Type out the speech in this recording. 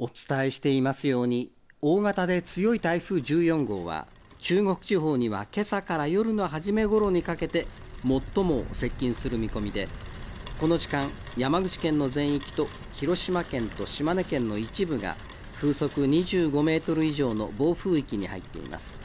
お伝えしていますように、大型で強い台風１４号は、中国地方にはけさから夜の初めごろにかけて最も接近する見込みで、この時間、山口県の全域と広島県と島根県の一部が、風速２５メートル以上の暴風域に入っています。